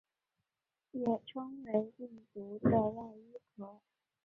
也称为病毒的外衣壳。